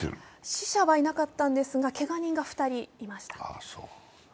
死者はいなかったんですがけが人はいました。